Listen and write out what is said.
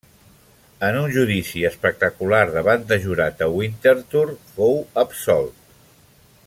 En un judici espectacular davant de jurat a Winterthur fou absolt.